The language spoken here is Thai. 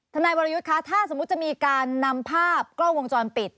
นายวรยุทธ์คะถ้าสมมุติจะมีการนำภาพกล้องวงจรปิด